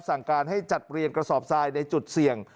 สั่งการให้จัดเรียงกระสอบทรายในจุดเสี่ยง